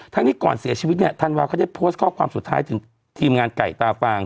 ทั้งนี้ก่อนเสียชีวิตเนี่ยธันวาเขาได้โพสต์ข้อความสุดท้ายถึงทีมงานไก่ตาฟาง